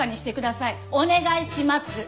お願いします。